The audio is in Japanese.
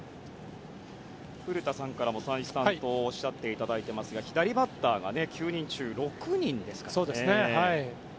古田さんからも再三おっしゃっていただいていますが左バッターが９人中６人ですかね。